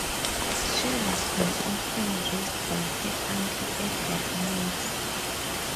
She was an orphan raised by her Uncle Edward Mills.